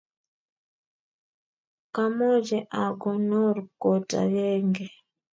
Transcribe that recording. kamoche akonor koot akenge.